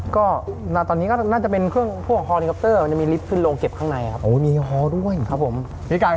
ก็ตอนนี้ก็น่าจะเป็นเครื่องพูดของฮอลิไลกัปเตอร์